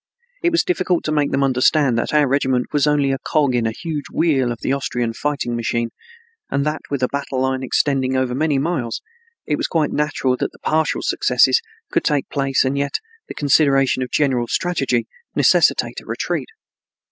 It was difficult to make them understand that our regiment was only a cog in the huge wheel of the Austrian fighting machine and that, with a battle line extending over many miles, it was quite natural that partial successes could take place and yet the consideration of general strategy necessitate a retreat.